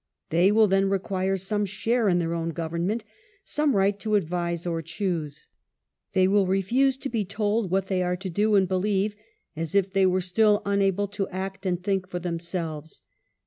They will then require some share in their own government, some right to advise or choose. They will refuse to be told what they are to do and believe, as if they were still unable to act and think for themselves.